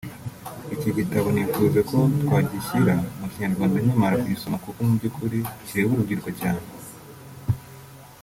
Iki gitabo nifuje ko twagishyira mu kinyarwanda nkimara kugisoma kuko mu by’ukuri kireba urubyiruko cyane